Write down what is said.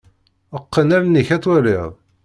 Qqen allen-ik ad twaliḍ.